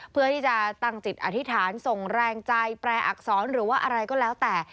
เพื่อที่จะตั้งจิตอธิษฐานส่งแรงใจแปลอักษรหรือว่าอะไรก็แล้วแต่